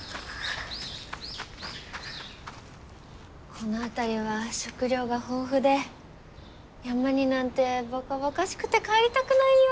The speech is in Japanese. この辺りは食糧が豊富で山になんてばかばかしくて帰りたくないよ。